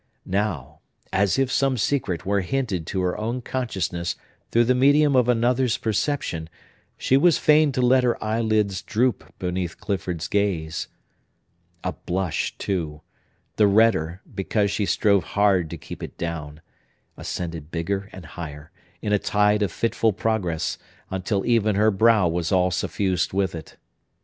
Now, as if some secret were hinted to her own consciousness through the medium of another's perception, she was fain to let her eyelids droop beneath Clifford's gaze. A blush, too,—the redder, because she strove hard to keep it down,—ascended bigger and higher, in a tide of fitful progress, until even her brow was all suffused with it.